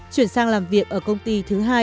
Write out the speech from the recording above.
chuyển sang làm việc ở công ty thứ hai